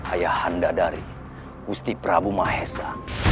ayah anda dari usti prabu mahesa